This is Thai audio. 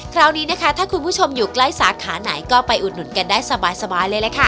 คราวนี้นะคะถ้าคุณผู้ชมอยู่ใกล้สาขาไหนก็ไปอุดหนุนกันได้สบายเลยล่ะค่ะ